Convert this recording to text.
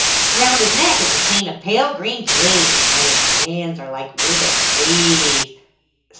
Round his neck is a chain of pale green jade, and his hands are like withered leaves.'